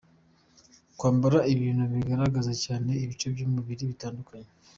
Kwambara ibintu bigaragaza cyane ibice by’umubiri bitandukanye :.